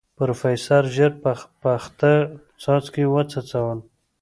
پروفيسر ژر په پخته څاڅکي وڅڅول.